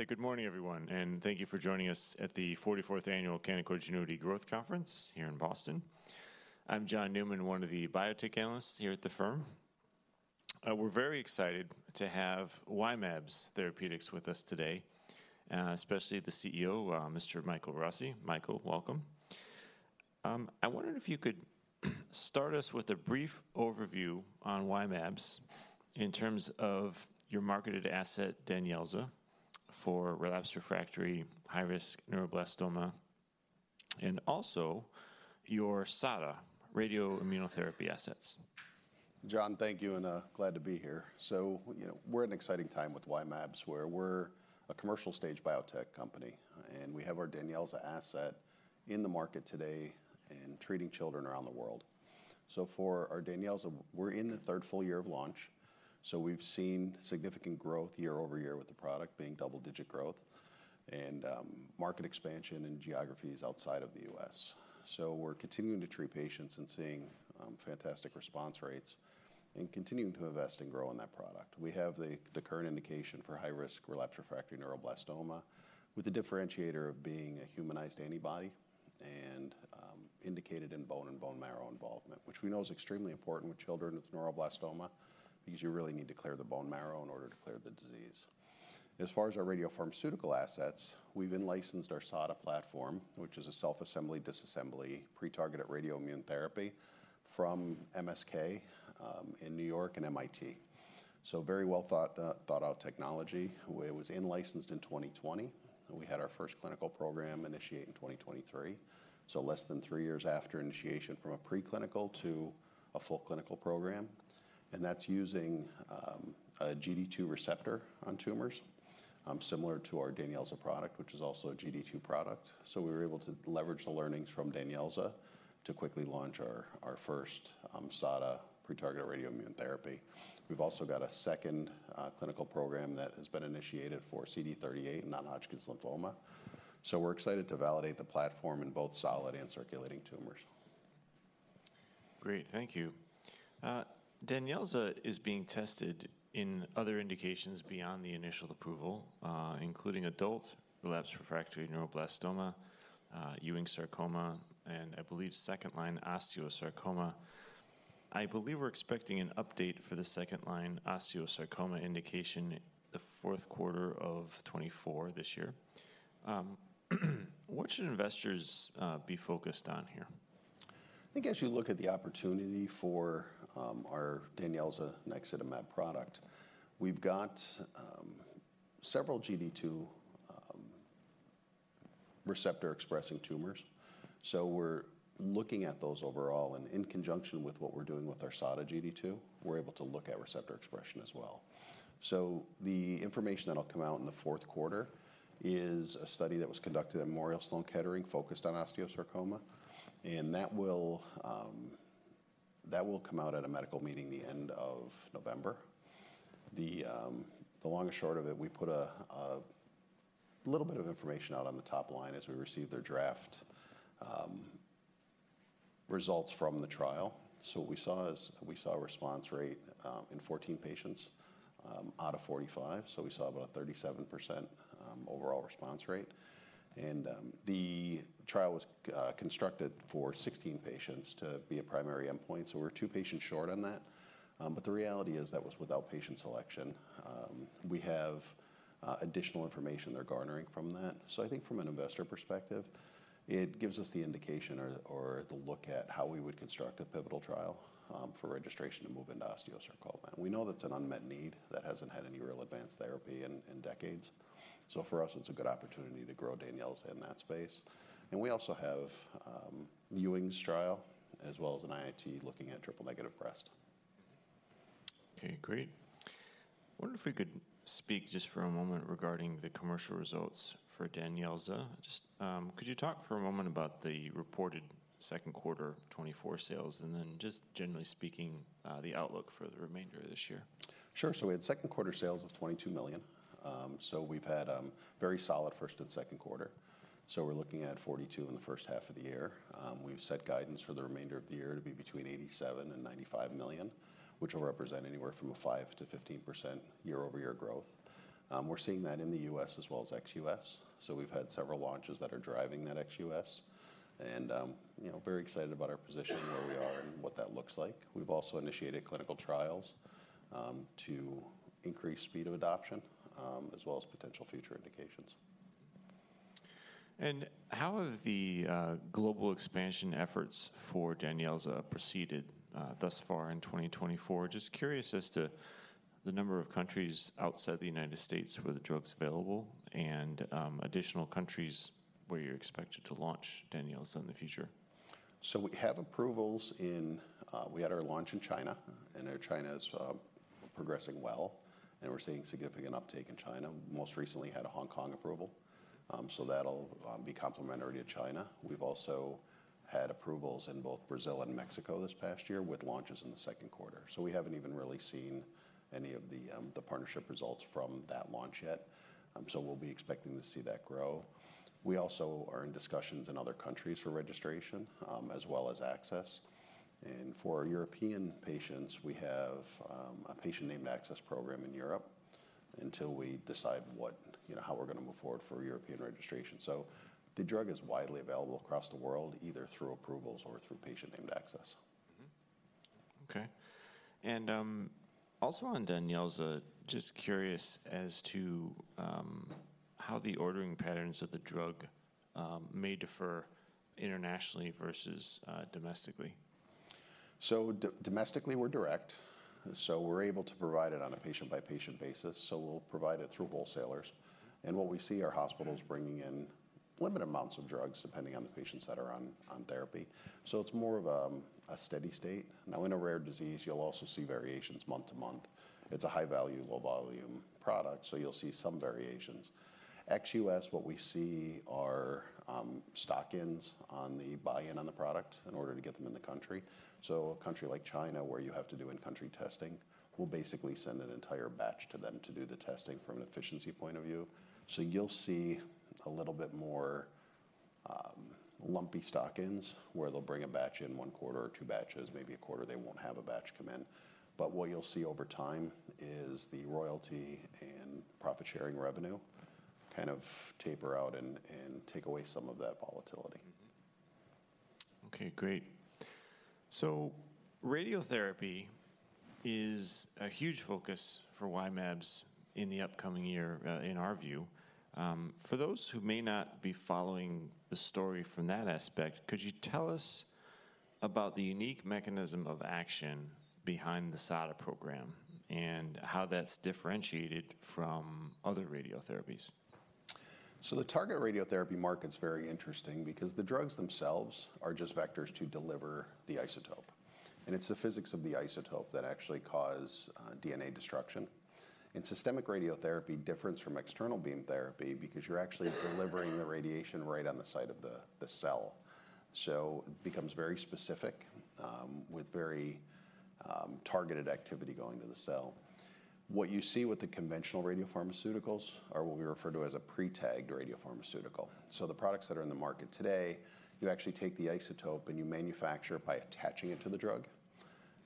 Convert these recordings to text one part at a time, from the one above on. Hey, good morning, everyone, and thank you for joining us at the forty-fourth Annual Canaccord Genuity Growth Conference here in Boston. I'm John Newman, one of the biotech analysts here at the firm. We're very excited to have Y-mAbs Therapeutics with us today, especially the CEO, Mr. Michael Rossi. Michael, welcome. I wondered if you could start us with a brief overview on Y-mAbs in terms of your marketed asset, DANYELZA, for relapsed refractory high-risk neuroblastoma, and also your SADA radioimmunotherapy assets. John, thank you, and, glad to be here. So, you know, we're at an exciting time with Y-mAbs, where we're a commercial stage biotech company, and we have our DANYELZA asset in the market today and treating children around the world. So for our DANYELZA, we're in the third full year of launch, so we've seen significant growth year over year with the product being double-digit growth and, market expansion in geographies outside of the US. So we're continuing to treat patients and seeing, fantastic response rates and continuing to invest and grow on that product. We have the current indication for high-risk relapsed refractory neuroblastoma, with the differentiator of being a humanized antibody and indicated in bone and bone marrow involvement, which we know is extremely important with children with neuroblastoma, because you really need to clear the bone marrow in order to clear the disease. As far as our radiopharmaceutical assets, we've in-licensed our SADA platform, which is a self-assembly, disassembly, pre-targeted radioimmunotherapy from MSK in New York and MIT. So very well thought-out technology. It was in-licensed in 2020, and we had our first clinical program initiate in 2023, so less than three years after initiation from a preclinical to a full clinical program. And that's using a GD2 receptor on tumors similar to our DANYELZA product, which is also a GD2 product. So we were able to leverage the learnings from DANYELZA to quickly launch our first SADA pre-targeted radioimmunotherapy. We've also got a second clinical program that has been initiated for CD38 in non-Hodgkin's lymphoma, so we're excited to validate the platform in both solid and circulating tumors. Great. Thank you. DANYELZA is being tested in other indications beyond the initial approval, including adult relapsed refractory neuroblastoma, Ewing sarcoma, and I believe second-line osteosarcoma. I believe we're expecting an update for the second line osteosarcoma indication the fourth quarter of 2024 this year. What should investors be focused on here? I think as you look at the opportunity for our DANYELZA naxitamab product, we've got several GD2 receptor-expressing tumors, so we're looking at those overall. And in conjunction with what we're doing with our SADA GD2, we're able to look at receptor expression as well. So the information that'll come out in the fourth quarter is a study that was conducted at Memorial Sloan Kettering, focused on osteosarcoma, and that will, that will come out at a medical meeting the end of November. The the long and short of it, we put a little bit of information out on the top line as we received their draft results from the trial. So what we saw is, we saw a response rate in 14 patients out of 45, so we saw about a 37% overall response rate. The trial was constructed for 16 patients to be a primary endpoint, so we're 2 patients short on that. But the reality is that was without patient selection. We have additional information they're garnering from that. So I think from an investor perspective, it gives us the indication or, or the look at how we would construct a pivotal trial for registration to move into osteosarcoma. We know that's an unmet need that hasn't had any real advanced therapy in decades, so for us, it's a good opportunity to grow DANYELZA in that space. And we also have the Ewing's trial, as well as an IIT, looking at triple-negative breast. Okay, great. I wonder if we could speak just for a moment regarding the commercial results for DANYELZA. Just, could you talk for a moment about the reported second quarter 2024 sales and then, just generally speaking, the outlook for the remainder of this year? Sure. We had second quarter sales of $22 million. So we've had very solid first and second quarter, so we're looking at $42 million in the first half of the year. We've set guidance for the remainder of the year to be between $87 million and $95 million, which will represent anywhere from 5%-15% year-over-year growth. We're seeing that in the U.S. as well as ex-U.S. So we've had several launches that are driving that ex-U.S. and, you know, very excited about our position, where we are, and what that looks like. We've also initiated clinical trials to increase speed of adoption as well as potential future indications. How have the global expansion efforts for DANYELZA proceeded thus far in 2024? Just curious as to the number of countries outside the United States where the drug's available and additional countries where you're expected to launch DANYELZA in the future. So we have approvals in. We had our launch in China, and our China is progressing well, and we're seeing significant uptake in China. Most recently had a Hong Kong approval, so that'll be complementary to China. We've also had approvals in both Brazil and Mexico this past year, with launches in the second quarter. So we haven't even really seen any of the partnership results from that launch yet. So we'll be expecting to see that grow. We also are in discussions in other countries for registration, as well as access. And for our European patients, we have a patient-named access program in Europe until we decide what, you know, how we're gonna move forward for European registration. So the drug is widely available across the world, either through approvals or through patient-named access. Mm-hmm. Okay. And also on DANYELZA, just curious as to how the ordering patterns of the drug may differ internationally versus domestically. So domestically, we're direct, so we're able to provide it on a patient-by-patient basis, so we'll provide it through wholesalers. What we see are hospitals bringing in limited amounts of drugs, depending on the patients that are on therapy, so it's more of a steady state. Now, in a rare disease, you'll also see variations month to month. It's a high-value, low-volume product, so you'll see some variations. Ex-US, what we see are stock-ins on the buy-in on the product in order to get them in the country. A country like China, where you have to do in-country testing, we'll basically send an entire batch to them to do the testing from an efficiency point of view. So you'll see a little bit more, lumpy stock-ins, where they'll bring a batch in one quarter or two batches, maybe a quarter they won't have a batch come in. But what you'll see over time is the royalty and profit-sharing revenue kind of taper out and take away some of that volatility. Mm-hmm. Okay, great. So radiotherapy is a huge focus for Y-mAbs in the upcoming year, in our view. For those who may not be following the story from that aspect, could you tell us about the unique mechanism of action behind the SADA program and how that's differentiated from other radiotherapies? So the targeted radiotherapy market's very interesting because the drugs themselves are just vectors to deliver the isotope, and it's the physics of the isotope that actually cause DNA destruction. Systemic radiotherapy differs from external beam therapy because you're actually delivering the radiation right on the site of the cell, so it becomes very specific with very targeted activity going to the cell. What you see with the conventional radiopharmaceuticals are what we refer to as a pre-tagged radiopharmaceutical. So the products that are in the market today, you actually take the isotope, and you manufacture it by attaching it to the drug.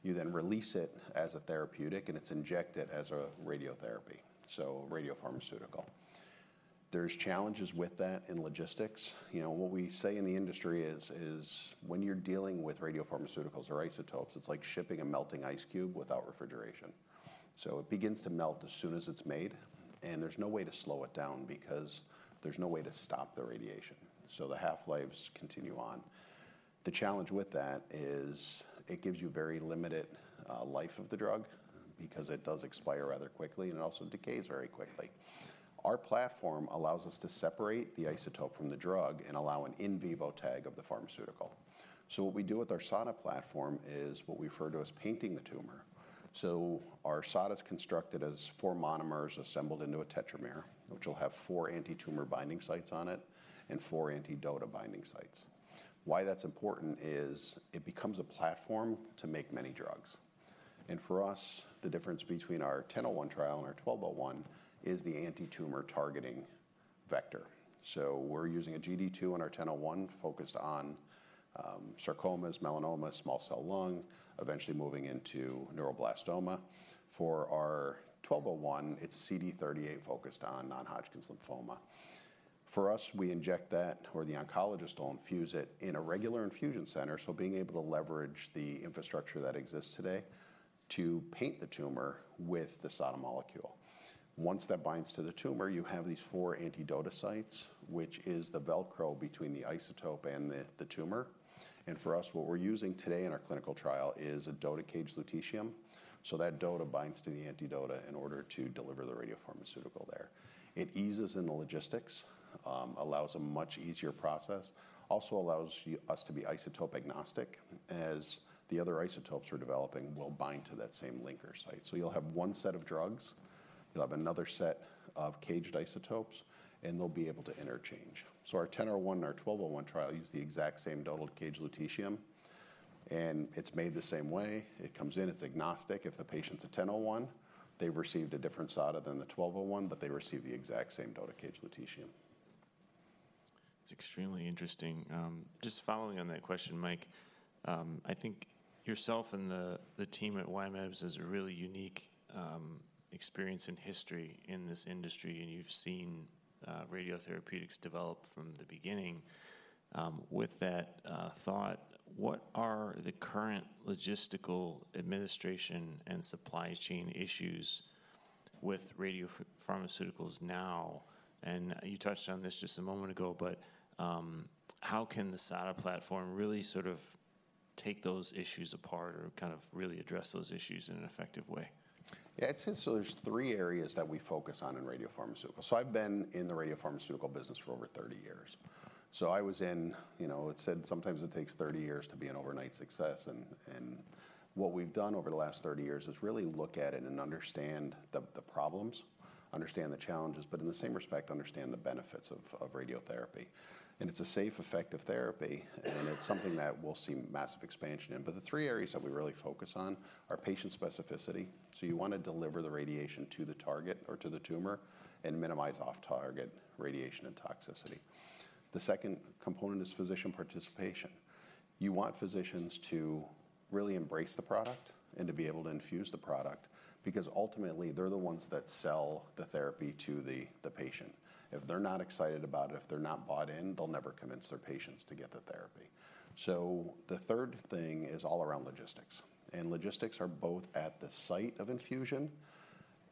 You then release it as a therapeutic, and it's injected as a radiotherapy, so radiopharmaceutical. There's challenges with that in logistics. You know, what we say in the industry is, is when you're dealing with radiopharmaceuticals or isotopes, it's like shipping a melting ice cube without refrigeration. So it begins to melt as soon as it's made, and there's no way to slow it down because there's no way to stop the radiation, so the half-lives continue on. The challenge with that is it gives you very limited life of the drug because it does expire rather quickly, and it also decays very quickly. Our platform allows us to separate the isotope from the drug and allow an in vivo tag of the pharmaceutical. So what we do with our SADA platform is what we refer to as painting the tumor. So our SADA is constructed as four monomers assembled into a tetramer, which will have four anti-tumor binding sites on it and four anti-DOTA binding sites. Why that's important is it becomes a platform to make many drugs, and for us, the difference between our 1001 trial and our 1201 is the anti-tumor targeting vector. So we're using a GD2 on our 1001, focused on sarcomas, melanomas, small cell lung, eventually moving into neuroblastoma. For our 1201, it's CD38, focused on non-Hodgkin's lymphoma. For us, we inject that, or the oncologist will infuse it in a regular infusion center, so being able to leverage the infrastructure that exists today to paint the tumor with the SADA molecule. Once that binds to the tumor, you have these four anti-DOTA sites, which is the Velcro between the isotope and the tumor, and for us, what we're using today in our clinical trial is a DOTA-caged lutetium. So that DOTA binds to the anti-DOTA in order to deliver the radiopharmaceutical there. It eases in the logistics, allows a much easier process, also allows us to be isotope agnostic, as the other isotopes we're developing will bind to that same linker site. So you'll have one set of drugs, you'll have another set of caged isotopes, and they'll be able to interchange. So our 1001 and our 1201 trial use the exact same DOTA-caged lutetium, and it's made the same way. It comes in, it's agnostic. If the patient's a 1001, they've received a different SADA than the 1201, but they receive the exact same DOTA-caged lutetium. It's extremely interesting. Just following on that question, Mike, I think yourself and the team at Y-mAbs has a really unique experience and history in this industry, and you've seen radiotherapeutics develop from the beginning. With that thought, what are the current logistical administration and supply chain issues with radio pharmaceuticals now? And you touched on this just a moment ago, but how can the SADA platform really sort of take those issues apart or kind of really address those issues in an effective way? Yeah, I'd say so. There's three areas that we focus on in radiopharmaceuticals. So I've been in the radiopharmaceutical business for over 30 years. You know, it's said sometimes it takes 30 years to be an overnight success, and what we've done over the last 30 years is really look at it and understand the problems, understand the challenges, but in the same respect, understand the benefits of radiotherapy. And it's a safe, effective therapy, and it's something that we'll see massive expansion in. But the three areas that we really focus on are patient specificity, so you wanna deliver the radiation to the target or to the tumor and minimize off-target radiation and toxicity. The second component is physician participation. You want physicians to really embrace the product and to be able to infuse the product, because ultimately, they're the ones that sell the therapy to the patient. If they're not excited about it, if they're not bought in, they'll never convince their patients to get the therapy. So the third thing is all around logistics, and logistics are both at the site of infusion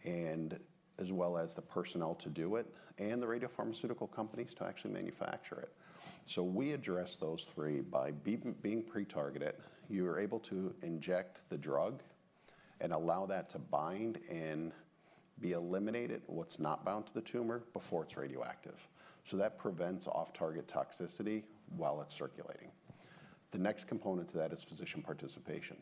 and as well as the personnel to do it and the radiopharmaceutical companies to actually manufacture it. So we address those three by being pre-targeted. You are able to inject the drug and allow that to bind and be eliminated, what's not bound to the tumor before it's radioactive. So that prevents off-target toxicity while it's circulating. The next component to that is physician participation.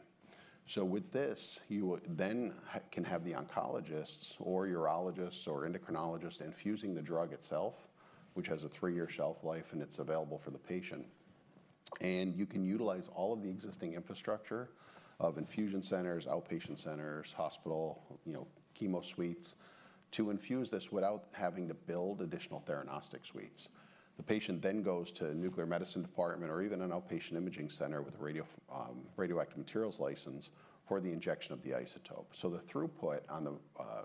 So with this, you then can have the oncologists or urologists or endocrinologists infusing the drug itself, which has a three-year shelf life, and it's available for the patient. You can utilize all of the existing infrastructure of infusion centers, outpatient centers, hospital, you know, chemo suites to infuse this without having to build additional theranostic suites. The patient then goes to a nuclear medicine department or even an outpatient imaging center with a radioactive materials license for the injection of the isotope. The throughput on the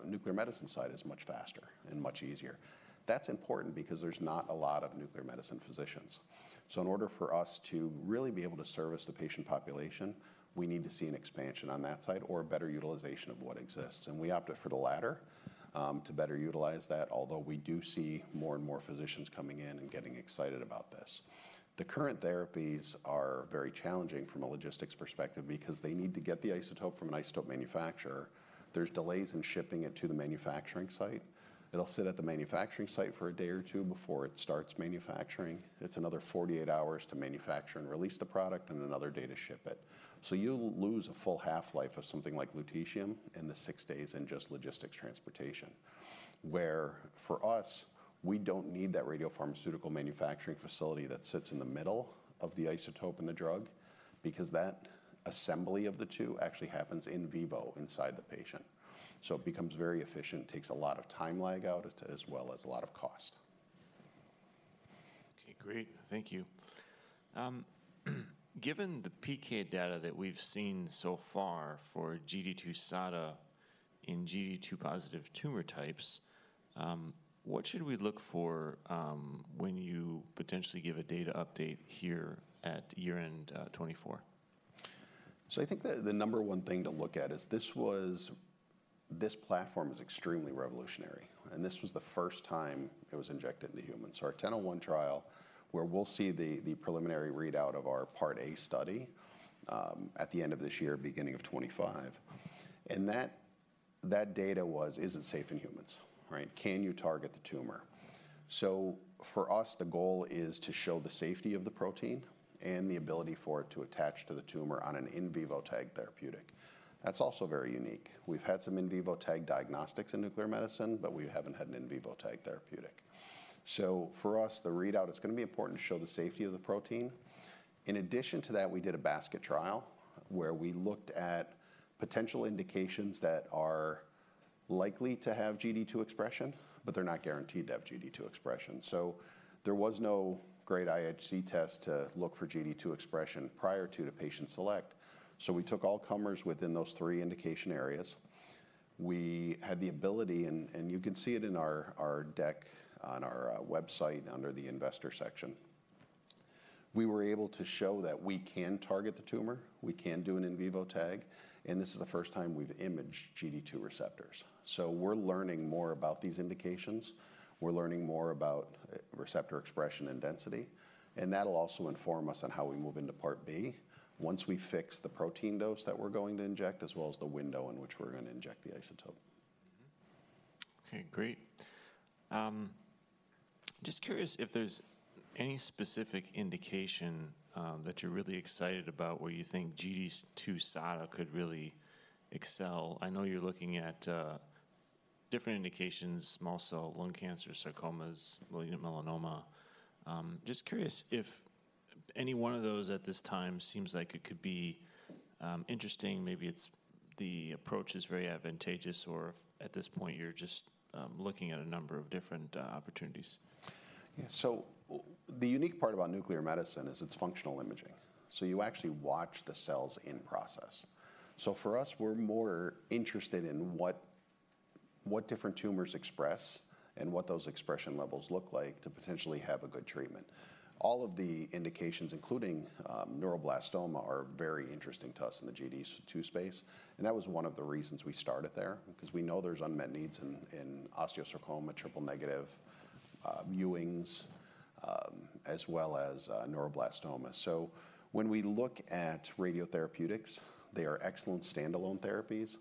nuclear medicine side is much faster and much easier. That's important because there's not a lot of nuclear medicine physicians. So in order for us to really be able to service the patient population, we need to see an expansion on that side or a better utilization of what exists, and we opted for the latter, to better utilize that. Although we do see more and more physicians coming in and getting excited about this. The current therapies are very challenging from a logistics perspective because they need to get the isotope from an isotope manufacturer. There's delays in shipping it to the manufacturing site. It'll sit at the manufacturing site for a day or two before it starts manufacturing. It's another 48 hours to manufacture and release the product, and another day to ship it. So you'll lose a full half-life of something like lutetium in the 6 days in just logistics transportation. Where for us, we don't need that radiopharmaceutical manufacturing facility that sits in the middle of the isotope and the drug, because that assembly of the two actually happens in vivo inside the patient. So it becomes very efficient, takes a lot of time lag out as well as a lot of cost. Okay, great. Thank you. Given the PK data that we've seen so far for GD2-SADA in GD2-positive tumor types, what should we look for when you potentially give a data update here at year-end 2024? So I think the number one thing to look at is this was. This platform is extremely revolutionary, and this was the first time it was injected into humans. So our 1001 trial, where we'll see the preliminary readout of our Part A study, at the end of this year, beginning of 2025, and that data was: Is it safe in humans, right? Can you target the tumor? So for us, the goal is to show the safety of the protein and the ability for it to attach to the tumor on an in vivo TAG therapeutic. That's also very unique. We've had some in vivo TAG diagnostics in nuclear medicine, but we haven't had an in vivo TAG therapeutic. So for us, the readout, it's gonna be important to show the safety of the protein. In addition to that, we did a basket trial where we looked at potential indications that are likely to have GD2 expression, but they're not guaranteed to have GD2 expression. So there was no great IHC test to look for GD2 expression prior to the patient select. So we took all comers within those three indication areas. We had the ability, and you can see it in our deck on our website under the investor section. We were able to show that we can target the tumor, we can do an in vivo TAG, and this is the first time we've imaged GD2 receptors. So we're learning more about these indications. We're learning more about receptor expression and density, and that'll also inform us on how we move into Part B once we fix the protein dose that we're going to inject, as well as the window in which we're gonna inject the isotope. Mm-hmm. Okay, great. Just curious if there's any specific indication that you're really excited about where you think GD2-SADA could really excel. I know you're looking at different indications: small cell lung cancer, sarcomas, melanoma. Just curious if any one of those at this time seems like it could be interesting. Maybe it's the approach is very advantageous, or if at this point you're just looking at a number of different opportunities. Yeah. So the unique part about nuclear medicine is it's functional imaging. So you actually watch the cells in process. So for us, we're more interested in what, what different tumors express and what those expression levels look like to potentially have a good treatment. All of the indications, including neuroblastoma, are very interesting to us in the GD2 space, and that was one of the reasons we started there, because we know there's unmet needs in osteosarcoma, triple negative, Ewing's, as well as neuroblastoma. So when we look at radiotherapeutics, they are excellent standalone therapies,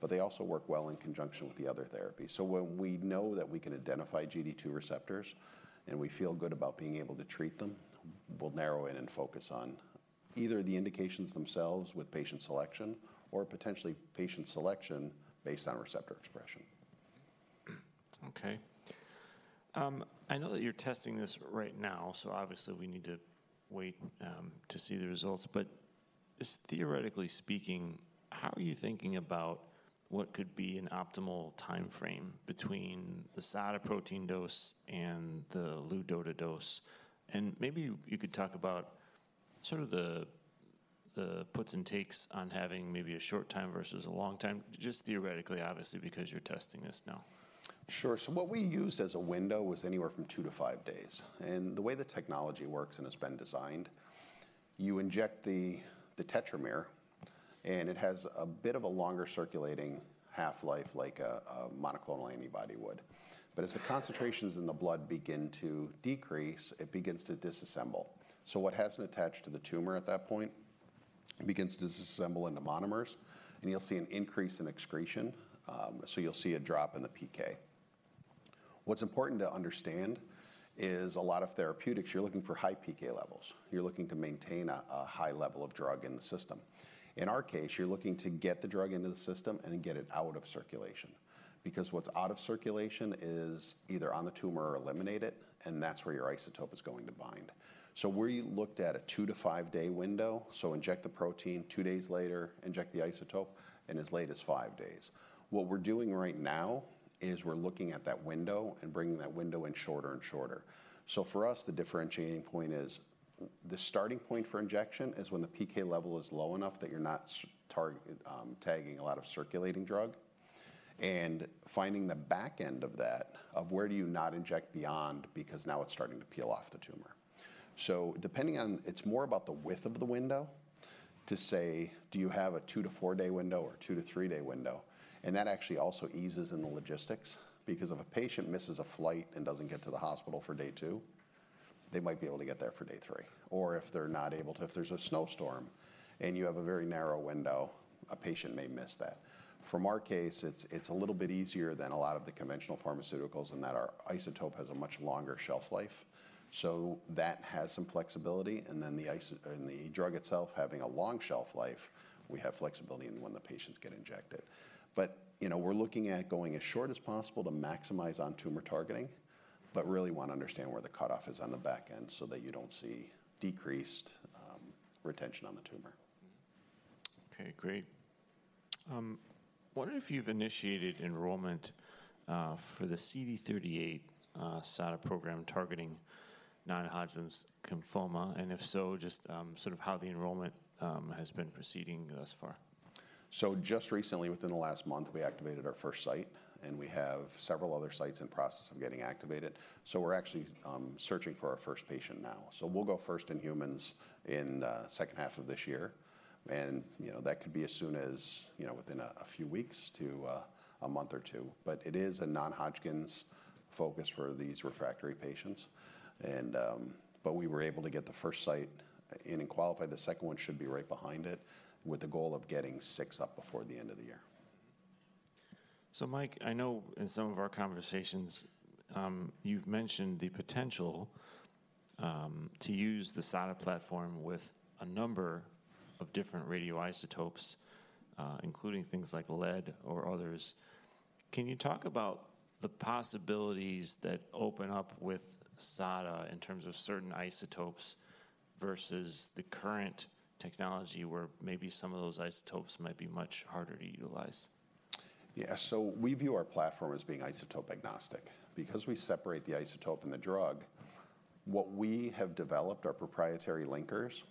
but they also work well in conjunction with the other therapies. When we know that we can identify GD2 receptors and we feel good about being able to treat them, we'll narrow in and focus on either the indications themselves with patient selection or potentially patient selection based on receptor expression. Okay. I know that you're testing this right now, so obviously we need to wait to see the results, but just theoretically speaking, how are you thinking about what could be an optimal timeframe between the SADA protein dose and the LuDOTA dose? And maybe you could talk about sort of the puts and takes on having maybe a short time versus a long time, just theoretically, obviously, because you're testing this now. Sure. So what we used as a window was anywhere from two to five days. And the way the technology works and it's been designed, you inject the tetramer, and it has a bit of a longer circulating half-life like a monoclonal antibody would. But as the concentrations in the blood begin to decrease, it begins to disassemble. So what hasn't attached to the tumor at that point, begins to disassemble into monomers, and you'll see an increase in excretion, so you'll see a drop in the PK. What's important to understand is a lot of therapeutics, you're looking for high PK levels. You're looking to maintain a high level of drug in the system. In our case, you're looking to get the drug into the system and then get it out of circulation, because what's out of circulation is either on the tumor or eliminated, and that's where your isotope is going to bind. So we looked at a 2-5-day window, so inject the protein, 2 days later, inject the isotope, and as late as 5 days. What we're doing right now is we're looking at that window and bringing that window in shorter and shorter. So for us, the differentiating point is the starting point for injection is when the PK level is low enough that you're not tagging a lot of circulating drug, and finding the back end of that, of where do you not inject beyond, because now it's starting to peel off the tumor. So depending on—it's more about the width of the window, to say, do you have a 2-to-4-day window or 2-to-3-day window? And that actually also eases in the logistics, because if a patient misses a flight and doesn't get to the hospital for day 2, they might be able to get there for day 3. Or if they're not able to—if there's a snowstorm and you have a very narrow window, a patient may miss that. For our case, it's a little bit easier than a lot of the conventional pharmaceuticals in that our isotope has a much longer shelf life, so that has some flexibility. And then the isotope and the drug itself having a long shelf life, we have flexibility in when the patients get injected. You know, we're looking at going as short as possible to maximize on tumor targeting, but really want to understand where the cutoff is on the back end so that you don't see decreased retention on the tumor. Mm-hmm. Okay, great. Wondering if you've initiated enrollment for the CD38 SADA program targeting non-Hodgkin's lymphoma, and if so, just sort of how the enrollment has been proceeding thus far? So just recently, within the last month, we activated our first site, and we have several other sites in process of getting activated. So we're actually searching for our first patient now. So we'll go first in humans in second half of this year, and, you know, that could be as soon as, you know, within a few weeks to a month or two. But it is a non-Hodgkin's focus for these refractory patients. But we were able to get the first site in and qualified. The second one should be right behind it, with the goal of getting six up before the end of the year. So Mike, I know in some of our conversations, you've mentioned the potential to use the SADA platform with a number of different radioisotopes, including things like lead or others. Can you talk about the possibilities that open up with SADA in terms of certain isotopes versus the current technology, where maybe some of those isotopes might be much harder to utilize? Yeah. So we view our platform as being isotope agnostic. Because we separate the isotope and the drug, what we have developed are proprietary linkers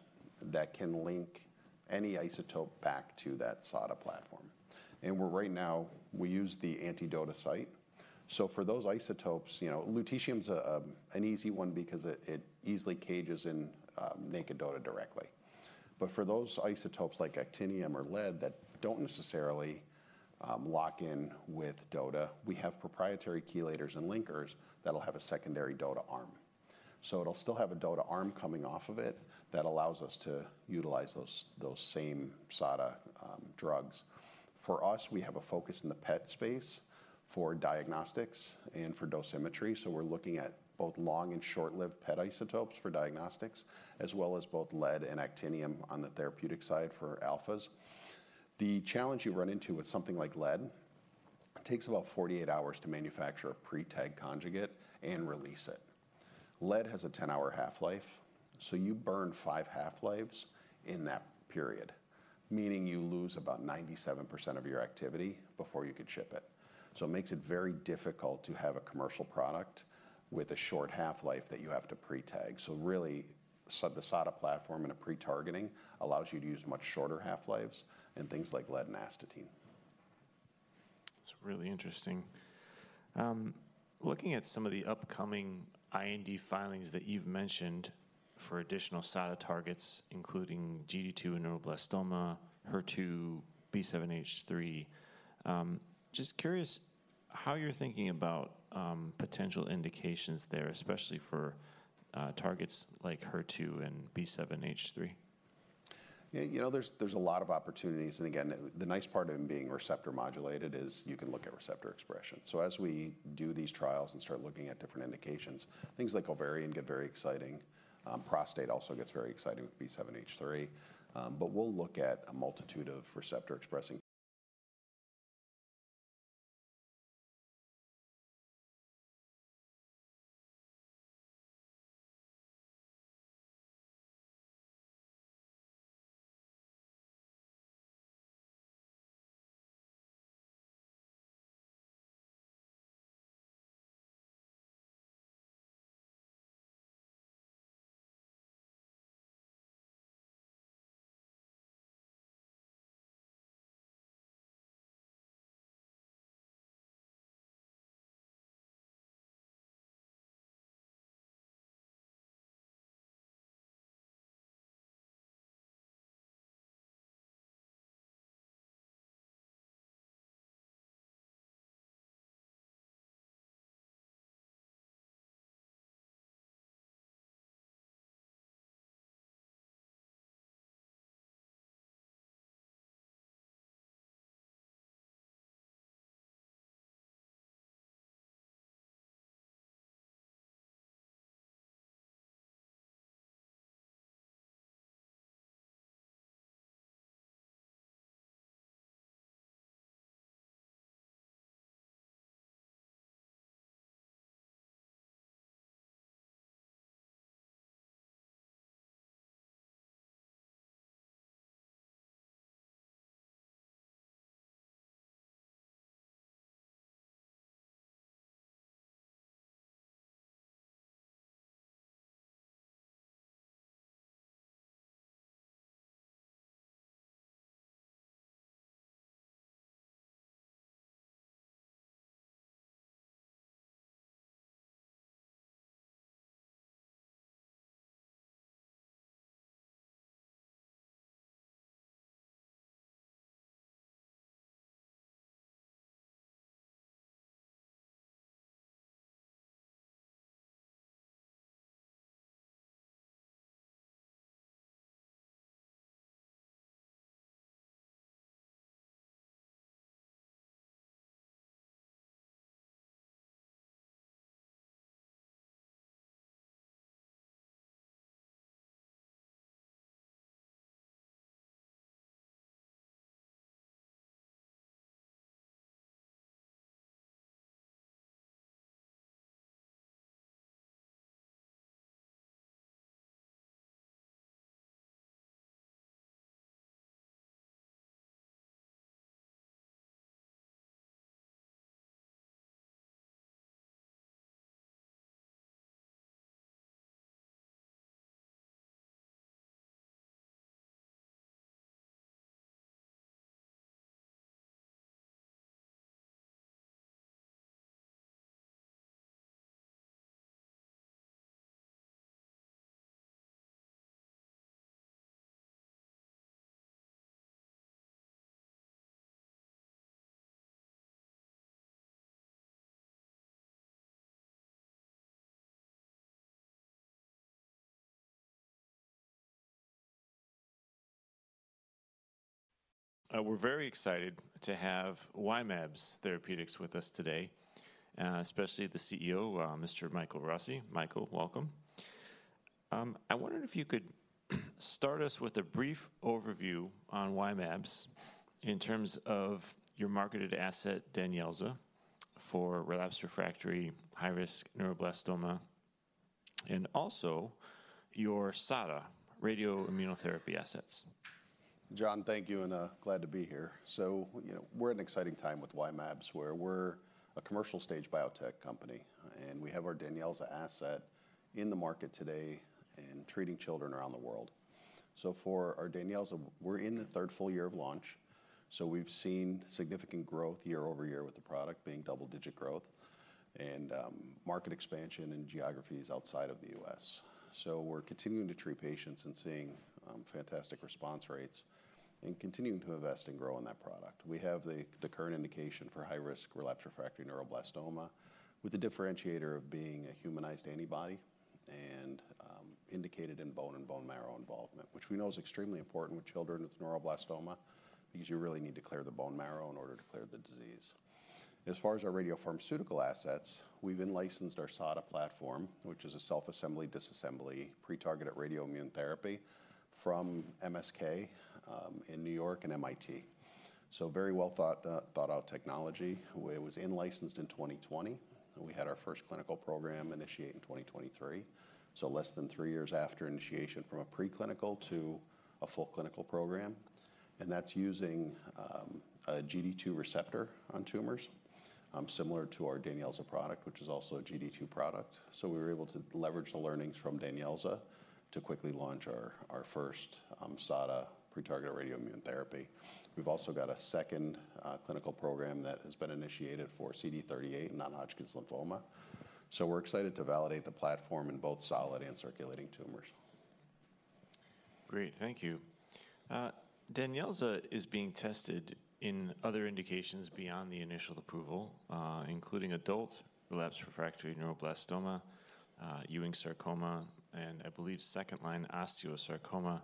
that can link any isotope back to that SADA platform, and we're right now, we use the anti-DOTA site. So for those isotopes, you know, lutetium's an easy one because it easily cages in naked DOTA directly. But for those isotopes like actinium or lead that don't necessarily lock in with DOTA, we have proprietary chelators and linkers that'll have a secondary DOTA arm. So it'll still have a DOTA arm coming off of it that allows us to utilize those same SADA drugs. For us, we have a focus in the PET space for diagnostics and for dosimetry, so we're looking at both long and short-lived PET isotopes for diagnostics, as well as both lead and actinium on the therapeutic side for alphas. The challenge you run into with something like lead, it takes about 48 hours to manufacture a pre-tagged conjugate and release it. Lead has a 10-hour half-life, so you burn 5 half-lives in that period, meaning you lose about 97% of your activity before you could ship it. So it makes it very difficult to have a commercial product with a short half-life that you have to pre-tag. So really, the SADA platform and a pre-targeting allows you to use much shorter half-lives in things like lead and astatine. It's really interesting. Looking at some of the upcoming IND filings that you've mentioned for additional SADA targets, including GD2 and neuroblastoma, HER2, B7-H3, just curious how you're thinking about potential indications there, especially for targets like HER2 and B7-H3? Yeah, you know, there's a lot of opportunities, and again, the nice part of them being receptor-modulated is you can look at receptor expression. So as we do these trials and start looking at different indications, things like ovarian get very exciting. Prostate also gets very exciting with B7-H3. But we'll look at a multitude of receptor-expressing-... We're very excited to have Y-mAbs Therapeutics with us today, especially the CEO, Mr. Michael Rossi. Michael, welcome. I wondered if you could start us with a brief overview on Y-mAbs in terms of your marketed asset, DANYELZA, for relapsed refractory high-risk neuroblastoma, and also your SADA radioimmunotherapy assets. John, thank you, and glad to be here. So, you know, we're at an exciting time with Y-mAbs, where we're a commercial-stage biotech company, and we have our DANYELZA asset in the market today and treating children around the world. So for our DANYELZA, we're in the third full year of launch, so we've seen significant growth year over year, with the product being double-digit growth and market expansion in geographies outside of the US. So we're continuing to treat patients and seeing fantastic response rates and continuing to invest and grow in that product. We have the current indication for high-risk relapsed refractory neuroblastoma, with the differentiator of being a humanized antibody and indicated in bone and bone marrow involvement, which we know is extremely important with children with neuroblastoma because you really need to clear the bone marrow in order to clear the disease. As far as our radiopharmaceutical assets, we've in-licensed our SADA platform, which is a self-assembly, disassembly, pre-targeted radioimmunotherapy from MSK in New York and MIT. So very well thought-out technology. It was in-licensed in 2020, and we had our first clinical program initiate in 2023, so less than three years after initiation from a preclinical to a full clinical program, and that's using a GD2 receptor on tumors similar to our DANYELZA product, which is also a GD2 product. So we were able to leverage the learnings from DANYELZA to quickly launch our first SADA pre-targeted radioimmune therapy. We've also got a second clinical program that has been initiated for CD38 non-Hodgkin's lymphoma, so we're excited to validate the platform in both solid and circulating tumors. Great, thank you. DANYELZA is being tested in other indications beyond the initial approval, including adult relapsed refractory neuroblastoma, Ewing sarcoma, and I believe second-line osteosarcoma.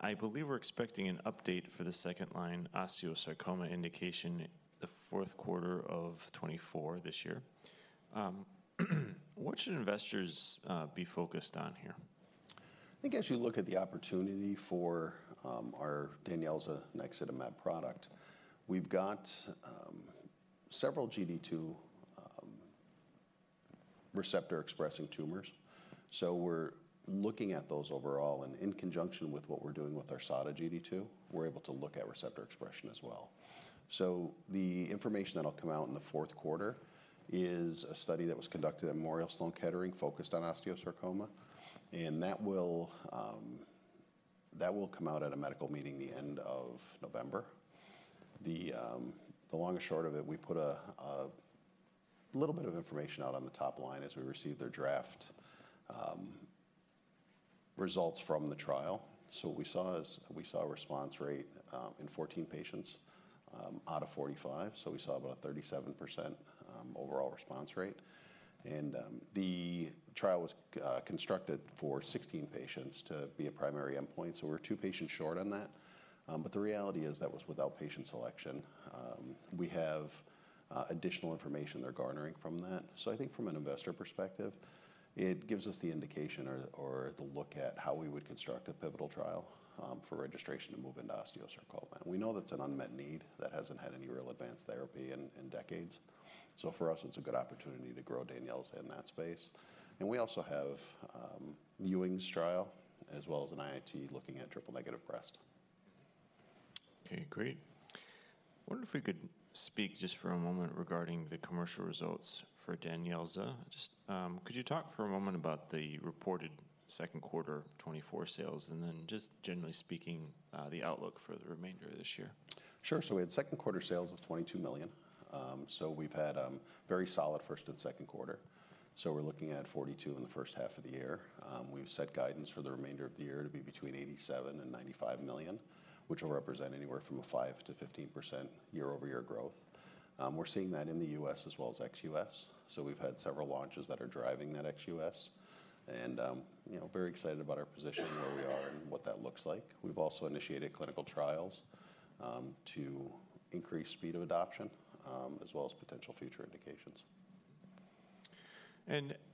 I believe we're expecting an update for the second-line osteosarcoma indication the fourth quarter of 2024, this year. What should investors be focused on here? I think as you look at the opportunity for our DANYELZA naxitamab product, we've got several GD2 receptor expressing tumors. So we're looking at those overall, and in conjunction with what we're doing with our SADA GD2, we're able to look at receptor expression as well. So the information that'll come out in the fourth quarter is a study that was conducted at Memorial Sloan Kettering, focused on osteosarcoma, and that will come out at a medical meeting the end of November. The long and short of it, we put a little bit of information out on the top line as we received their draft results from the trial. So what we saw is, we saw a response rate in 14 patients out of 45, so we saw about a 37% overall response rate. The trial was constructed for 16 patients to be a primary endpoint, so we're two patients short on that. But the reality is that was without patient selection. We have additional information they're garnering from that. So I think from an investor perspective, it gives us the indication or the look at how we would construct a pivotal trial for registration to move into osteosarcoma. We know that's an unmet need. That hasn't had any real advanced therapy in decades. So for us, it's a good opportunity to grow DANYELZA in that space. And we also have Ewing's trial, as well as an IIT, looking at triple negative breast. Okay, great. I wonder if we could speak just for a moment regarding the commercial results for DANYELZA. Just, could you talk for a moment about the reported second quarter 2024 sales, and then just generally speaking, the outlook for the remainder of this year? Sure. So we had second quarter sales of $22 million. So we've had very solid first and second quarter, so we're looking at $42 million in the first half of the year. We've set guidance for the remainder of the year to be between $87 million and $95 million, which will represent anywhere from 5%-15% year-over-year growth. We're seeing that in the US as well as ex-US. So we've had several launches that are driving that ex-US and, you know, very excited about our position, where we are, and what that looks like. We've also initiated clinical trials to increase speed of adoption as well as potential future indications.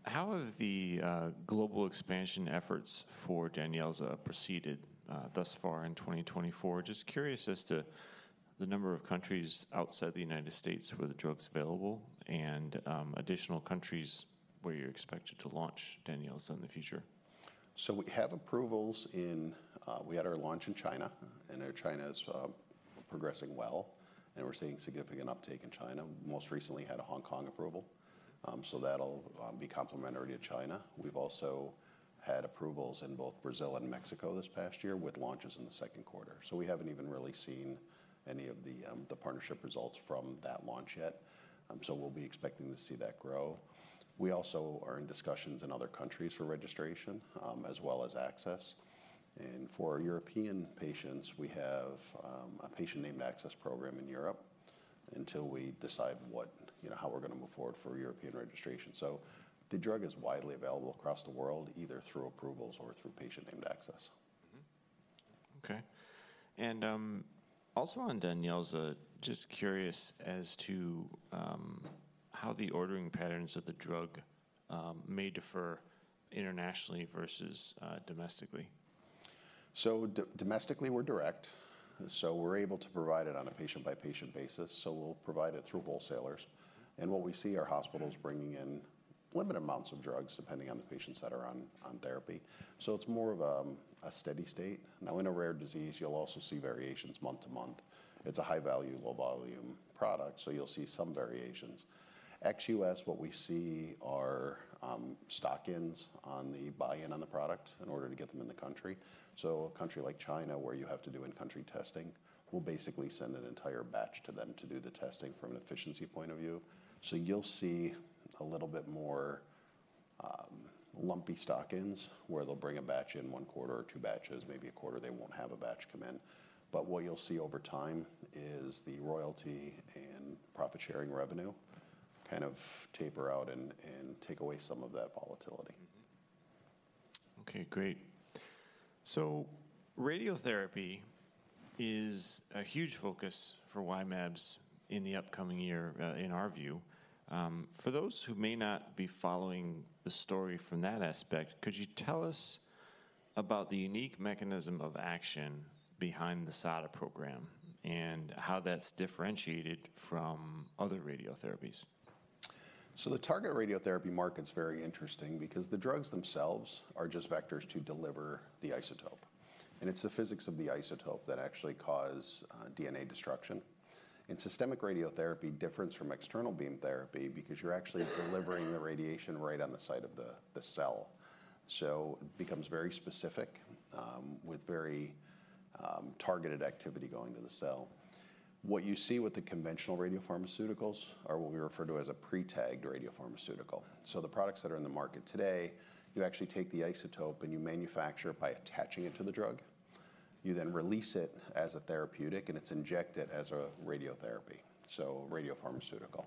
How have the global expansion efforts for DANYELZA proceeded thus far in 2024? Just curious as to the number of countries outside the United States where the drug's available, and additional countries where you're expected to launch DANYELZA in the future. So we have approvals in... We had our launch in China, and our China's progressing well, and we're seeing significant uptake in China. Most recently had a Hong Kong approval, so that'll be complementary to China. We've also had approvals in both Brazil and Mexico this past year, with launches in the second quarter. So we haven't even really seen any of the, the partnership results from that launch yet. So we'll be expecting to see that grow. We also are in discussions in other countries for registration, as well as access, and for European patients, we have a patient-named access program in Europe until we decide what-- you know, how we're gonna move forward for European registration. So the drug is widely available across the world, either through approvals or through patient-named access. Mm-hmm. Okay, and, also on DANYELZA, just curious as to how the ordering patterns of the drug may differ internationally versus domestically. So domestically, we're direct, so we're able to provide it on a patient-by-patient basis, so we'll provide it through wholesalers. What we see are hospitals bringing in limited amounts of drugs, depending on the patients that are on therapy, so it's more of a steady state. Now, in a rare disease, you'll also see variations month to month. It's a high-value, low-volume product, so you'll see some variations. Ex-US, what we see are stock-ins on the buy-in on the product in order to get them in the country. So a country like China, where you have to do in-country testing, we'll basically send an entire batch to them to do the testing from an efficiency point of view. You'll see a little bit more lumpy stock-ins, where they'll bring a batch in one quarter or two batches, maybe a quarter they won't have a batch come in. But what you'll see over time is the royalty and profit-sharing revenue kind of taper out and, and take away some of that volatility. Mm-hmm. Okay, great. So radiotherapy is a huge focus for Y-mAbs in the upcoming year, in our view. For those who may not be following the story from that aspect, could you tell us about the unique mechanism of action behind the SADA program and how that's differentiated from other radiotherapies? So the target radiotherapy market's very interesting because the drugs themselves are just vectors to deliver the isotope, and it's the physics of the isotope that actually cause DNA destruction. Systemic radiotherapy differs from external beam therapy because you're actually delivering the radiation right on the site of the cell. So it becomes very specific with very targeted activity going to the cell. What you see with the conventional radiopharmaceuticals are what we refer to as a pre-tagged radiopharmaceutical. So the products that are in the market today, you actually take the isotope, and you manufacture it by attaching it to the drug. You then release it as a therapeutic, and it's injected as a radiotherapy, so radiopharmaceutical.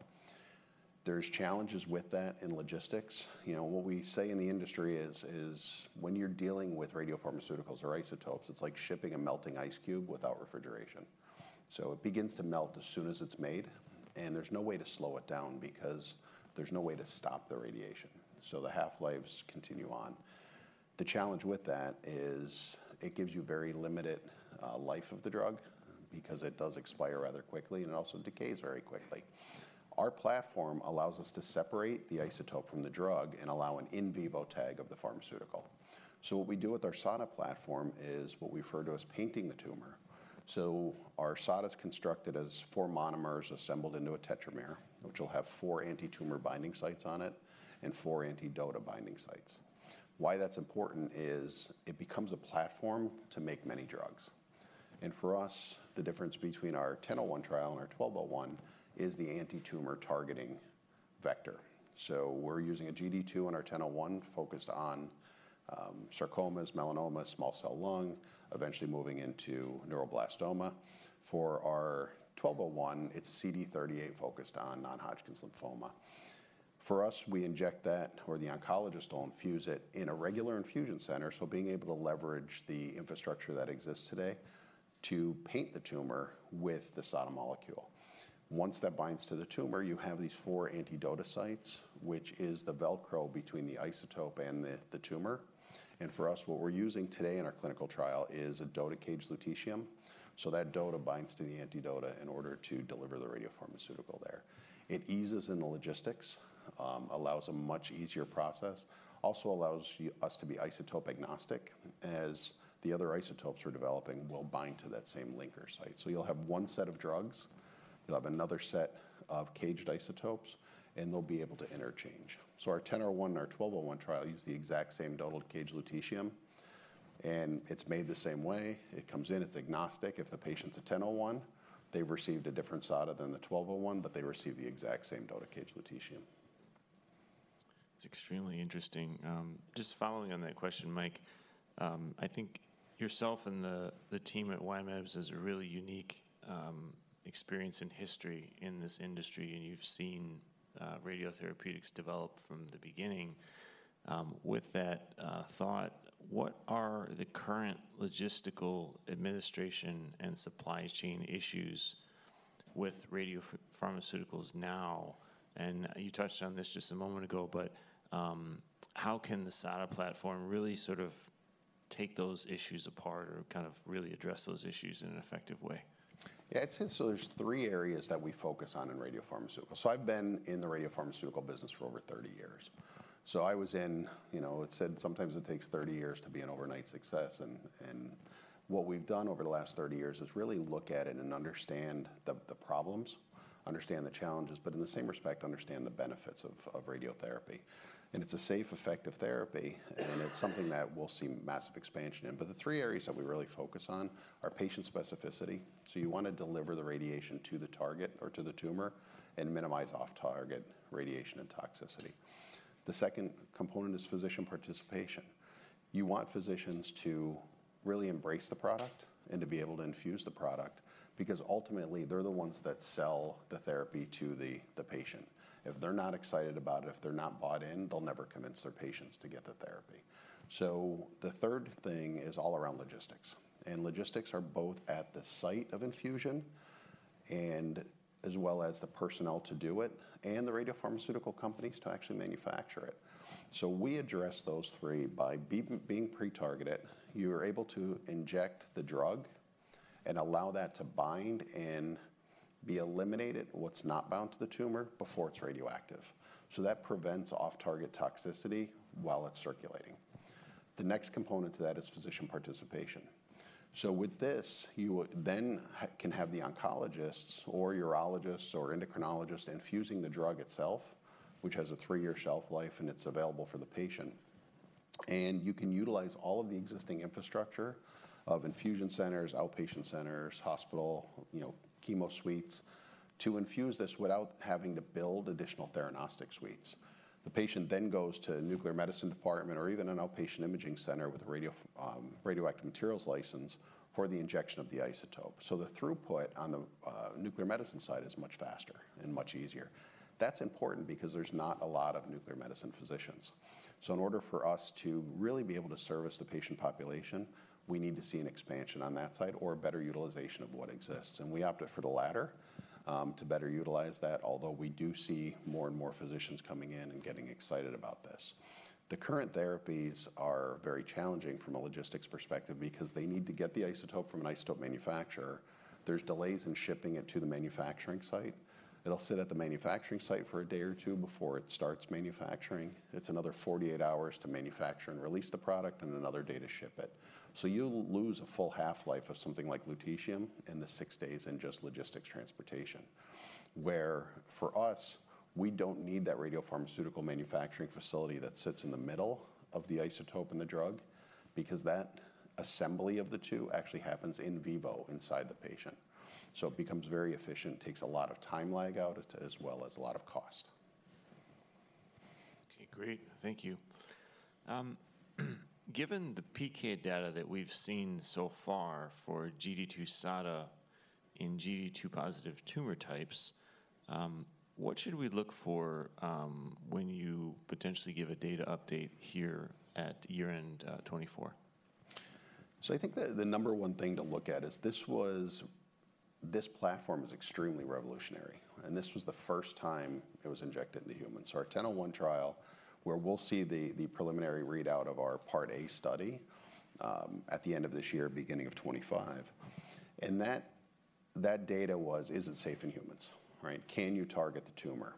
There's challenges with that in logistics. You know, what we say in the industry is, is when you're dealing with radiopharmaceuticals or isotopes, it's like shipping a melting ice cube without refrigeration. So it begins to melt as soon as it's made, and there's no way to slow it down because there's no way to stop the radiation, so the half-lives continue on.... The challenge with that is it gives you very limited life of the drug because it does expire rather quickly, and it also decays very quickly. Our platform allows us to separate the isotope from the drug and allow an in vivo tag of the pharmaceutical. So what we do with our SADA platform is what we refer to as painting the tumor. So our SADA is constructed as four monomers assembled into a tetramer, which will have four anti-tumor binding sites on it and four anti-DOTA binding sites. Why that's important is it becomes a platform to make many drugs, and for us, the difference between our 1001 trial and our 1201 is the anti-tumor targeting vector. So we're using a GD2 in our 1001 focused on sarcomas, melanoma, small cell lung, eventually moving into neuroblastoma. For our 1201, it's CD38 focused on non-Hodgkin's lymphoma. For us, we inject that, or the oncologist will infuse it in a regular infusion center, so being able to leverage the infrastructure that exists today to paint the tumor with the SADA molecule. Once that binds to the tumor, you have these four anti-DOTA sites, which is the Velcro between the isotope and the tumor. And for us, what we're using today in our clinical trial is a DOTA-caged lutetium. So that DOTA binds to the anti-DOTA in order to deliver the radiopharmaceutical there. It eases in the logistics, allows a much easier process. Also allows us to be isotope agnostic, as the other isotopes we're developing will bind to that same linker site. So you'll have one set of drugs, you'll have another set of caged isotopes, and they'll be able to interchange. So our 1001 and our 1201 trial use the exact same DOTA-caged lutetium, and it's made the same way. It comes in, it's agnostic. If the patient's a 1001, they've received a different SADA than the 1201, but they receive the exact same DOTA-caged lutetium. It's extremely interesting. Just following on that question, Mike, I think yourself and the team at Y-mAbs has a really unique experience and history in this industry, and you've seen radiotherapeutics develop from the beginning. With that thought, what are the current logistical administration and supply chain issues with radiopharmaceuticals now? And you touched on this just a moment ago, but how can the SADA platform really sort of take those issues apart or kind of really address those issues in an effective way? Yeah, it's so there's three areas that we focus on in radiopharmaceuticals. So I've been in the radiopharmaceutical business for over 30 years, so I was in... You know, it's said sometimes it takes 30 years to be an overnight success, and what we've done over the last 30 years is really look at it and understand the problems, understand the challenges, but in the same respect, understand the benefits of radiotherapy. And it's a safe, effective therapy, and it's something that we'll see massive expansion in. But the three areas that we really focus on are patient specificity, so you want to deliver the radiation to the target or to the tumor and minimize off-target radiation and toxicity. The second component is physician participation. You want physicians to really embrace the product and to be able to infuse the product because ultimately, they're the ones that sell the therapy to the patient. If they're not excited about it, if they're not bought in, they'll never convince their patients to get the therapy. So the third thing is all around logistics, and logistics are both at the site of infusion and as well as the personnel to do it and the radiopharmaceutical companies to actually manufacture it. So we address those three by being pre-targeted. You are able to inject the drug and allow that to bind and be eliminated, what's not bound to the tumor before it's radioactive. So that prevents off-target toxicity while it's circulating. The next component to that is physician participation. So with this, you then can have the oncologists or urologists or endocrinologists infusing the drug itself, which has a three-year shelf life, and it's available for the patient. And you can utilize all of the existing infrastructure of infusion centers, outpatient centers, hospital, you know, chemo suites to infuse this without having to build additional theranostic suites. The patient then goes to a nuclear medicine department or even an outpatient imaging center with a radioactive materials license for the injection of the isotope. So the throughput on the nuclear medicine side is much faster and much easier. That's important because there's not a lot of nuclear medicine physicians. So in order for us to really be able to service the patient population, we need to see an expansion on that side or a better utilization of what exists, and we opted for the latter, to better utilize that. Although, we do see more and more physicians coming in and getting excited about this. The current therapies are very challenging from a logistics perspective because they need to get the isotope from an isotope manufacturer. There's delays in shipping it to the manufacturing site. It'll sit at the manufacturing site for a day or two before it starts manufacturing. It's another 48 hours to manufacture and release the product and another day to ship it. So you'll lose a full half-life of something like lutetium in the 6 days in just logistics transportation. Where for us, we don't need that radiopharmaceutical manufacturing facility that sits in the middle of the isotope and the drug, because that assembly of the two actually happens in vivo inside the patient. So it becomes very efficient, takes a lot of time lag out, as well as a lot of cost. Okay, great. Thank you. Given the PK data that we've seen so far for GD2-SADA in GD2-positive tumor types, what should we look for when you potentially give a data update here at year-end 2024?... So I think the number one thing to look at is this was, this platform is extremely revolutionary, and this was the first time it was injected into humans. So our 1001 trial, where we'll see the preliminary readout of our Part A study, at the end of this year, beginning of 2025, and that data was: Is it safe in humans, right? Can you target the tumor?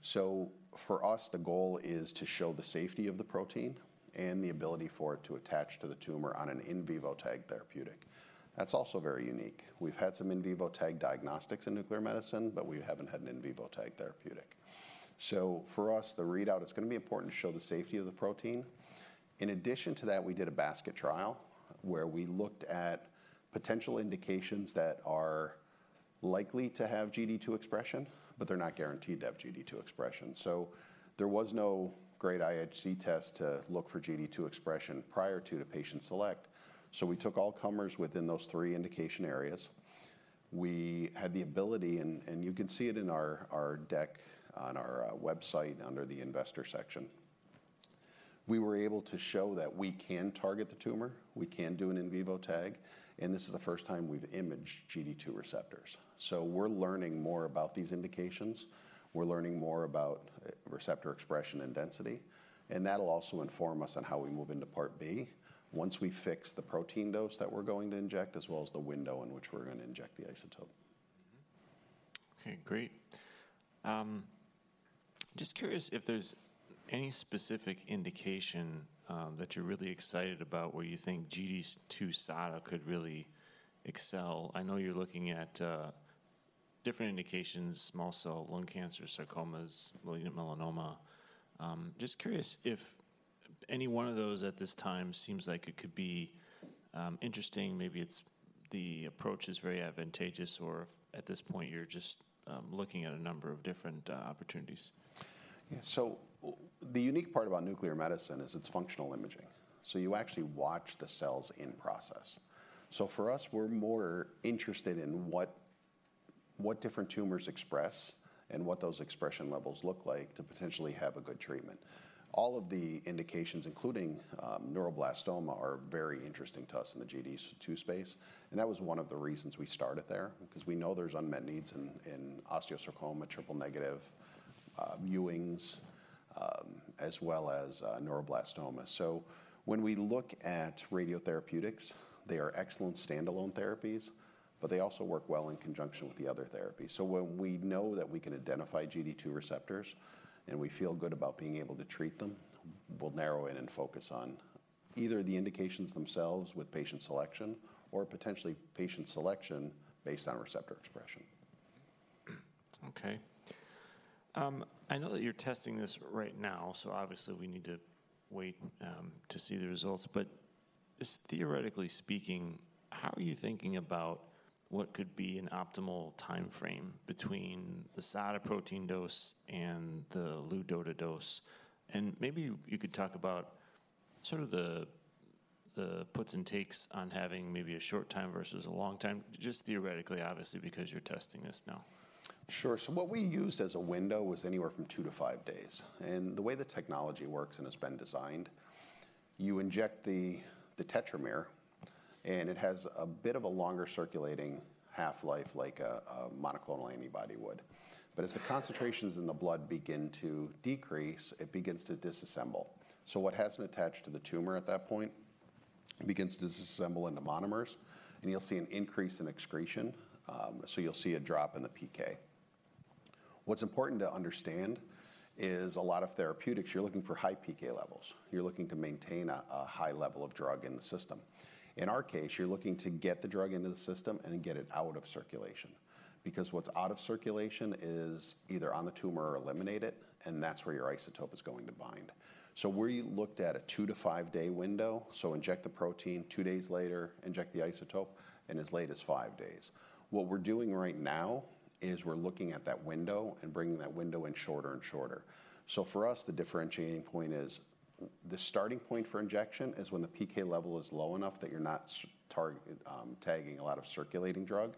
So for us, the goal is to show the safety of the protein and the ability for it to attach to the tumor on an in vivo tagged therapeutic. That's also very unique. We've had some in vivo tagged diagnostics in nuclear medicine, but we haven't had an in vivo tagged therapeutic. So for us, the readout, it's going to be important to show the safety of the protein. In addition to that, we did a basket trial where we looked at potential indications that are likely to have GD2 expression, but they're not guaranteed to have GD2 expression. So there was no great IHC test to look for GD2 expression prior to the patient select. So we took all comers within those three indication areas. We had the ability, and you can see it in our deck on our website under the investor section. We were able to show that we can target the tumor, we can do an in vivo tag, and this is the first time we've imaged GD2 receptors. So we're learning more about these indications. We're learning more about receptor expression and density, and that'll also inform us on how we move into Part B once we fix the protein dose that we're going to inject, as well as the window in which we're going to inject the isotope. Mm-hmm. Okay, great. Just curious if there's any specific indication that you're really excited about where you think GD2 SADA could really excel. I know you're looking at different indications, small cell lung cancer, sarcomas, melanoma. Just curious if any one of those at this time seems like it could be interesting. Maybe it's the approach is very advantageous, or if at this point you're just looking at a number of different opportunities. Yeah. So the unique part about nuclear medicine is it's functional imaging, so you actually watch the cells in process. So for us, we're more interested in what, what different tumors express and what those expression levels look like to potentially have a good treatment. All of the indications, including neuroblastoma, are very interesting to us in the GD2 space, and that was one of the reasons we started there, because we know there's unmet needs in osteosarcoma, triple-negative, Ewing's, as well as neuroblastoma. So when we look at radiotherapeutics, they are excellent standalone therapies, but they also work well in conjunction with the other therapies. When we know that we can identify GD2 receptors and we feel good about being able to treat them, we'll narrow in and focus on either the indications themselves with patient selection or potentially patient selection based on receptor expression. Okay. I know that you're testing this right now, so obviously we need to wait to see the results. But just theoretically speaking, how are you thinking about what could be an optimal timeframe between the SADA protein dose and the LuDOTA dose? And maybe you could talk about sort of the puts and takes on having maybe a short time versus a long time, just theoretically, obviously, because you're testing this now. Sure. So what we used as a window was anywhere from 2-5 days. And the way the technology works and it's been designed, you inject the tetramer, and it has a bit of a longer-circulating half-life like a monoclonal antibody would. But as the concentrations in the blood begin to decrease, it begins to disassemble. So what hasn't attached to the tumor at that point begins to disassemble into monomers, and you'll see an increase in excretion. So you'll see a drop in the PK. What's important to understand is a lot of therapeutics, you're looking for high PK levels. You're looking to maintain a high level of drug in the system. In our case, you're looking to get the drug into the system and then get it out of circulation, because what's out of circulation is either on the tumor or eliminated, and that's where your isotope is going to bind. So we looked at a two-to-five-day window. So inject the protein, two days later, inject the isotope, and as late as five days. What we're doing right now is we're looking at that window and bringing that window in shorter and shorter. So for us, the differentiating point is the starting point for injection is when the PK level is low enough that you're not tagging a lot of circulating drug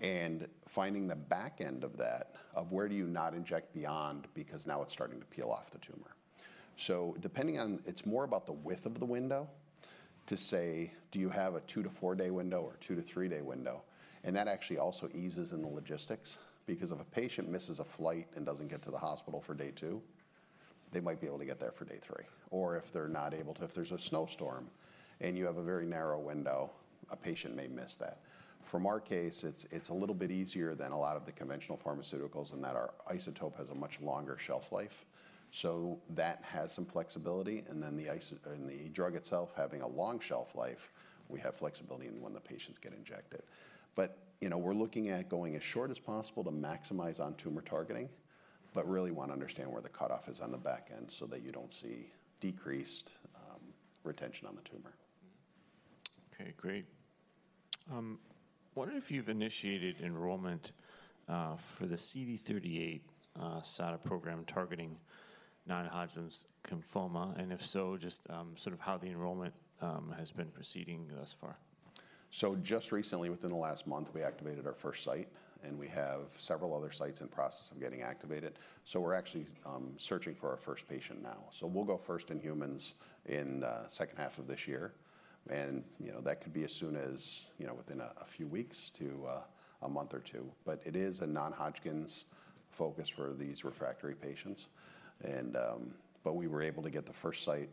and finding the back end of that, of where do you not inject beyond because now it's starting to peel off the tumor. So depending on... It's more about the width of the window to say, "Do you have a 2-to-4-day window or 2-to-3-day window?" And that actually also eases in the logistics, because if a patient misses a flight and doesn't get to the hospital for day 2, they might be able to get there for day 3. Or if they're not able to, if there's a snowstorm and you have a very narrow window, a patient may miss that. For our case, it's a little bit easier than a lot of the conventional pharmaceuticals in that our isotope has a much longer shelf life, so that has some flexibility. And then the isotope and the drug itself having a long shelf life, we have flexibility in when the patients get injected. You know, we're looking at going as short as possible to maximize on tumor targeting, but really want to understand where the cutoff is on the back end so that you don't see decreased retention on the tumor. Mm-hmm. Okay, great. Wondering if you've initiated enrollment for the CD38-SADA program targeting non-Hodgkin's lymphoma, and if so, just sort of how the enrollment has been proceeding thus far? ... So just recently, within the last month, we activated our first site, and we have several other sites in process of getting activated. So we're actually searching for our first patient now. So we'll go first in humans in second half of this year, and, you know, that could be as soon as, you know, within a few weeks to a month or two. But it is a non-Hodgkin's focus for these refractory patients, but we were able to get the first site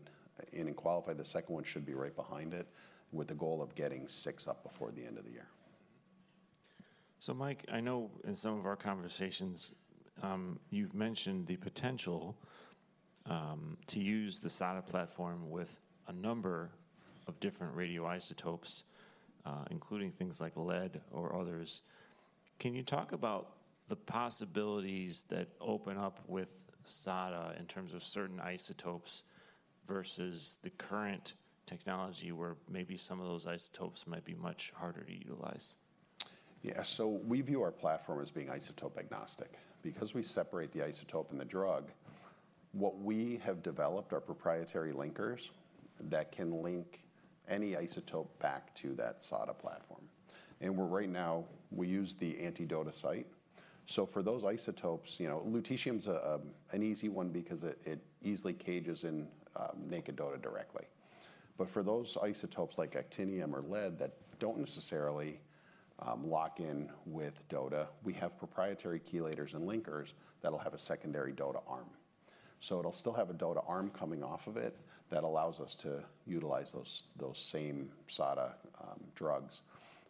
in and qualified. The second one should be right behind it, with the goal of getting six up before the end of the year. So Mike, I know in some of our conversations, you've mentioned the potential to use the SADA platform with a number of different radioisotopes, including things like lead or others. Can you talk about the possibilities that open up with SADA in terms of certain isotopes versus the current technology, where maybe some of those isotopes might be much harder to utilize? Yeah. So we view our platform as being isotope agnostic. Because we separate the isotope and the drug, what we have developed are proprietary linkers that can link any isotope back to that SADA platform, and we're right now, we use the anti-DOTA site. So for those isotopes, you know, lutetium's an easy one because it easily cages in naked DOTA directly. But for those isotopes, like actinium or lead, that don't necessarily lock in with DOTA, we have proprietary chelators and linkers that'll have a secondary DOTA arm. So it'll still have a DOTA arm coming off of it that allows us to utilize those same SADA drugs.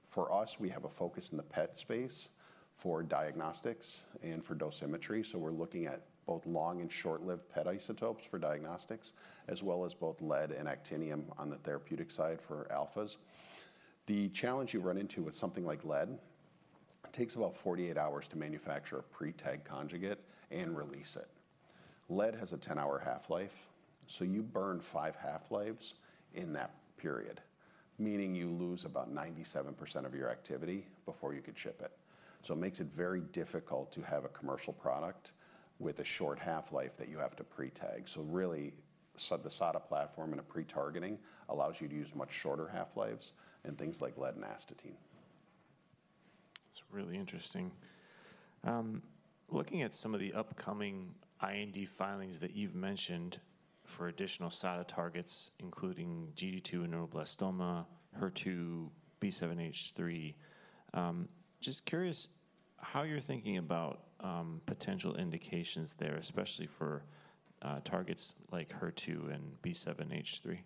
For us, we have a focus in the PET space for diagnostics and for dosimetry. So we're looking at both long and short-lived PET isotopes for diagnostics, as well as both lead and actinium on the therapeutic side for alphas. The challenge you run into with something like lead, it takes about 48 hours to manufacture a pre-tagged conjugate and release it. Lead has a 10-hour half-life, so you burn 5 half-lives in that period, meaning you lose about 97% of your activity before you could ship it. So it makes it very difficult to have a commercial product with a short half-life that you have to pre-tag. So really, the SADA platform and a pre-targeting allows you to use much shorter half-lives in things like lead and astatine. It's really interesting. Looking at some of the upcoming IND filings that you've mentioned for additional SADA targets, including GD2 neuroblastoma, HER2, B7-H3, just curious how you're thinking about potential indications there, especially for targets like HER2 and B7-H3?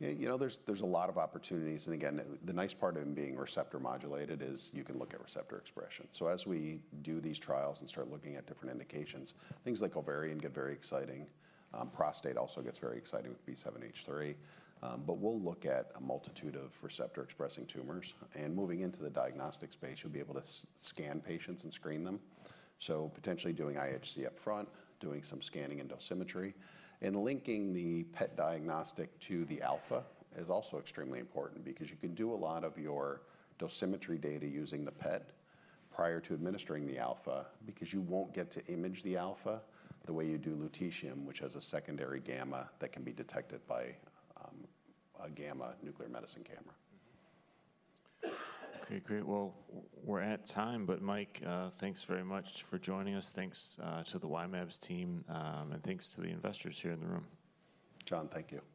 Yeah, you know, there's a lot of opportunities, and again, the nice part of them being receptor-modulated is you can look at receptor expression. So as we do these trials and start looking at different indications, things like ovarian get very exciting, prostate also gets very exciting with B7-H3. But we'll look at a multitude of receptor-expressing tumors, and moving into the diagnostic space, you'll be able to scan patients and screen them, so potentially doing IHC upfront, doing some scanning and dosimetry. And linking the PET diagnostic to the alpha is also extremely important because you can do a lot of your dosimetry data using the PET prior to administering the alpha, because you won't get to image the alpha the way you do lutetium, which has a secondary gamma that can be detected by a gamma nuclear medicine came-ra. Okay, great. Well, we're at time, but Mike, thanks very much for joining us. Thanks to the Y-mAbs team, and thanks to the investors here in the room. John, thank you.